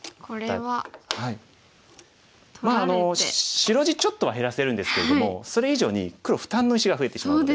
白地ちょっとは減らせるんですけれどもそれ以上に黒負担の石が増えてしまうので。